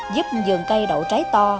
giúp dừng cây đậu trái to